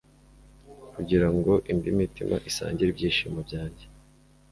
kugira ngo indi mitima isangire ibyishimo byanjye